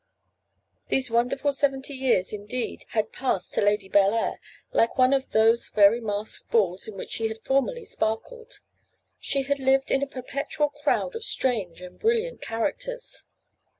These wonderful seventy years indeed had passed to Lady Bellair like one of those very masked balls in which she had formerly sparkled; she had lived in a perpetual crowd of strange and brilliant characters.